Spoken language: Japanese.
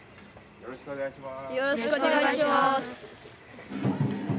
よろしくお願いします。